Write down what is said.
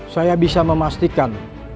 saya bisa memastikan